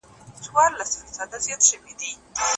رغړېدم چي له کعبې تر سومناته